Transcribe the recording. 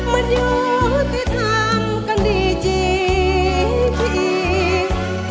มันอยู่ที่ทำกันดีจริง